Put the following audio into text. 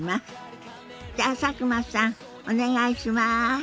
じゃあ佐久間さんお願いします。